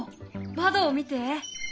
窓を見て。